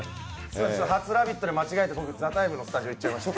初「ラヴィット！」で間違えて「ＴＨＥＴＩＭＥ，」のスタジオに来ちゃいました。